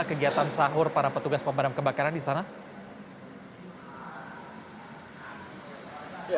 kegiatan sahur para petugas pemadam kebakaran di sana